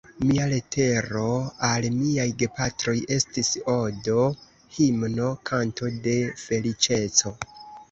Mia letero al miaj gepatroj estis odo, himno, kanto de feliĉeco.